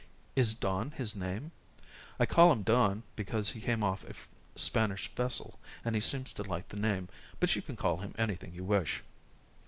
"Is Don his name?" "I call him Don because he came off a Spanish vessel, and he seems to like the name, but you can call him anything you wish."